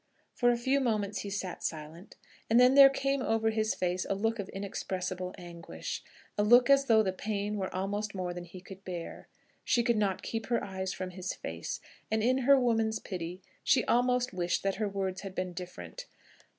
For a few moments he sat silent, and then there came over his face a look of inexpressible anguish, a look as though the pain were almost more than he could bear. She could not keep her eyes from his face; and, in her woman's pity, she almost wished that her words had been different.